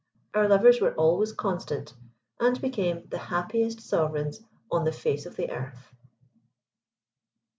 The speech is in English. Our lovers were always constant, and became the happiest sovereigns on the face of the earth.